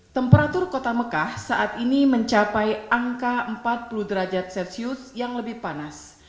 temperatur kota mekah saat ini mencapai angka empat puluh derajat celcius yang lebih panas